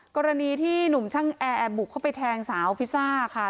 กรณีที่หนุ่มช่างแอร์บุกเข้าไปแทงสาวพิซซ่าค่ะ